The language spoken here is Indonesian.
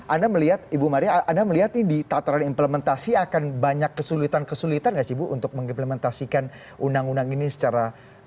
anda melihat ibu maria anda melihat ini di tataran implementasi akan banyak kesulitan kesulitan gak sih bu untuk mengimplementasikan undang undang ini secara